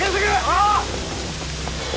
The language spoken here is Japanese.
ああ！